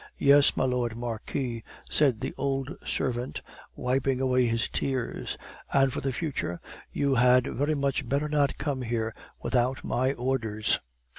"Yes, my Lord Marquis," said the old servant, wiping away his tears. "And for the future you had very much better not come here without my orders."